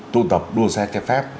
tôn tập đua xe chép phép